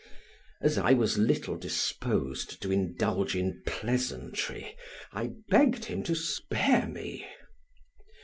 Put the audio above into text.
As I was little disposed to indulge in pleasantry I begged him to spare me.